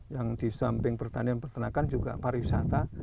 yang di samping pertanian pertanakan juga pariwisata